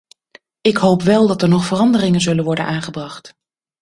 Ik hoop wel dat er nog veranderingen zullen worden aangebracht.